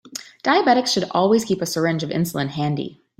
Diabetics should always keep a syringe of insulin handy.